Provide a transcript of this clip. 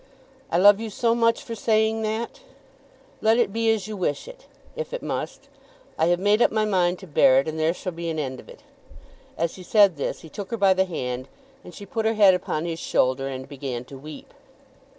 "I love you so much for saying that." "Let it be as you wish it, if it must. I have made up my mind to bear it, and there shall be an end of it." As he said this he took her by the hand, and she put her head upon his shoulder and began to weep.